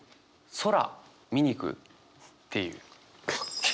「空見に行く？」っていう。